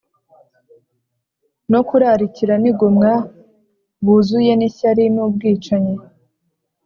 no kurarikira n’igomwa, buzuye n’ishyari n’ubwicanyi